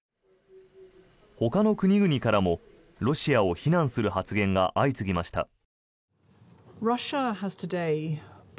ほかの国々からもロシアを非難する発言が相次ぎました。